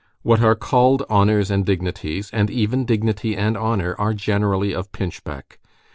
What are called honors and dignities, and even dignity and honor, are generally of pinchbeck.